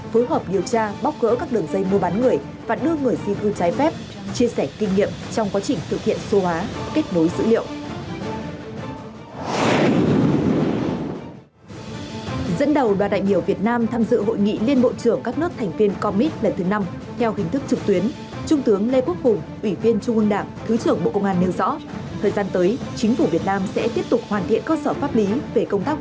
phối hợp điều tra bóc gỡ các đường dây mua bán người và đưa người di cư trái phép chia sẻ kinh nghiệm trong quá trình thực hiện số hóa kết nối dữ liệu